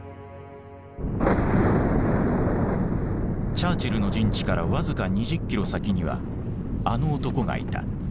チャーチルの陣地から僅か２０キロ先にはあの男がいた。